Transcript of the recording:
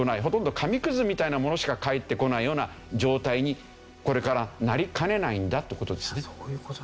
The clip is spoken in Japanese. ほとんど紙くずみたいなものしか返ってこないような状態にこれからなりかねないんだって事ですね。